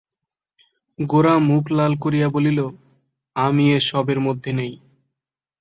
গোরা মুখ লাল করিয়া বলিল, আমি এ-সবের মধ্যে নেই।